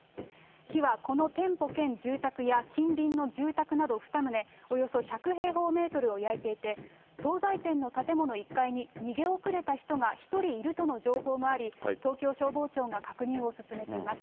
火はこの店舗兼住宅や近隣の住宅など２棟、およそ１００平方メートルを焼いていて、総菜店の建物１階に逃げ遅れた人が１人いるとの情報もあり、東京消防庁が確認を進めています。